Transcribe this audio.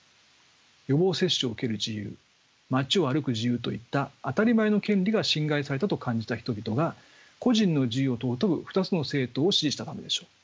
予防接種を受ける自由街を歩く自由といった当たり前の権利が侵害されたと感じた人々が個人の自由を尊ぶ２つの政党を支持したためでしょう。